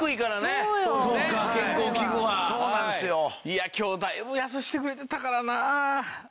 いや今日だいぶ安くしてくれてたからな。